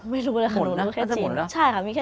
ไม่รู้เลยนะหนูมีแค่จีน